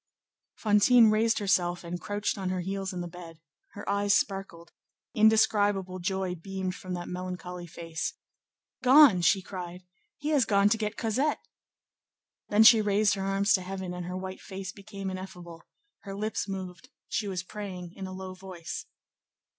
Fantine raised herself and crouched on her heels in the bed: her eyes sparkled; indescribable joy beamed from that melancholy face. "Gone!" she cried; "he has gone to get Cosette." Then she raised her arms to heaven, and her white face became ineffable; her lips moved; she was praying in a low voice.